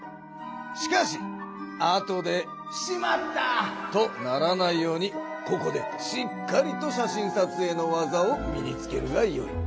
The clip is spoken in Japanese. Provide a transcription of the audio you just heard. しかし後で「しまった！」とならないようにここでしっかりと写真撮影の技を身につけるがよい。